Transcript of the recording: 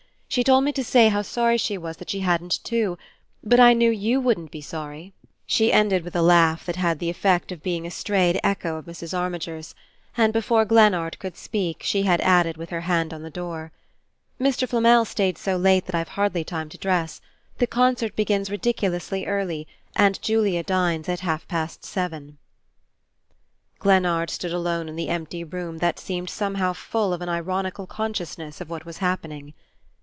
She told me to say how sorry she was that she hadn't two but I knew YOU wouldn't be sorry!" She ended with a laugh that had the effect of being a strayed echo of Mrs. Armiger's; and before Glennard could speak she had added, with her hand on the door, "Mr. Flamel stayed so late that I've hardly time to dress. The concert begins ridiculously early, and Julia dines at half past seven " Glennard stood alone in the empty room that seemed somehow full of an ironical consciousness of what was happening.